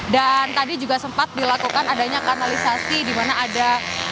dan tadi juga sempat dilakukan adanya kanalisasi di mana ada